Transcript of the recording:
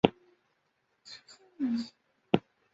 效果十分显著